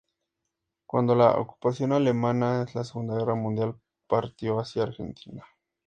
Cuando la ocupación alemana en la Segunda Guerra Mundial partió hacia Argentina.